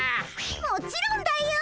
もちろんだよ！